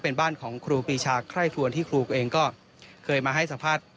เป็นบ้านของครูปีชาไคร่ครวนที่ครูเองก็เคยมาให้สัมภาษณ์